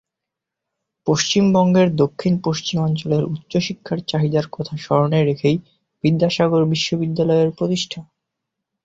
পশ্চিমবঙ্গের দক্ষিণ-পশ্চিমাঞ্চলের উচ্চশিক্ষার চাহিদার কথা স্মরণে রেখেই বিদ্যাসাগর বিশ্ববিদ্যালয়ের প্রতিষ্ঠা।